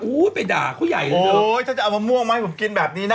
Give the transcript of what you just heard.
ไปด่าเขาใหญ่เลยโอ้ยถ้าจะเอามะม่วงมาให้ผมกินแบบนี้นะ